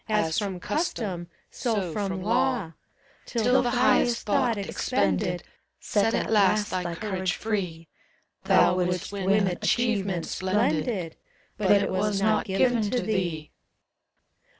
183 As from custom, so from law; Till the highest thought expended Set At last thy courage free : Thou wouldst win achievement splendid, But it was not given to thee.